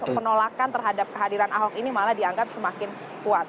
penolakan terhadap kehadiran ahok ini malah dianggap semakin kuat